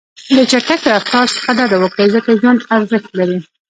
د چټک رفتار څخه ډډه وکړئ، ځکه ژوند ارزښت لري.